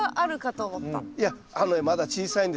いやあのねまだ小さいんですよ。